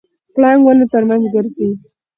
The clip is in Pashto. پړانګ ونو ترمنځ ګرځي.